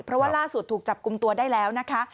เพราะว่าล่าสุดถูกจับกลุ่มตัวได้แล้วนะคะ